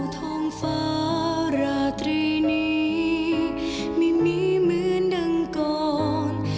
ภาราธรีนี้ไม่มีเหมือนเดิมก่อน